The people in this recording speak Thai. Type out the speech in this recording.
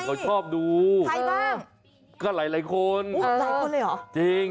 ก็หลายคน